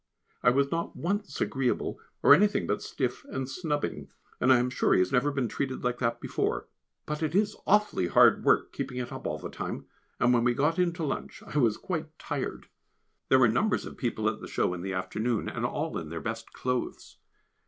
I was not once agreeable, or anything but stiff and snubbing, and I am sure he has never been treated like that before, but it is awfully hard work keeping it up all the time, and when we got in to lunch I was quite tired. [Sidenote: On the Lake] There were numbers of people at the show in the afternoon, and all in their best clothes.